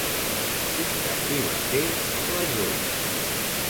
Quin canvi va fer la jove?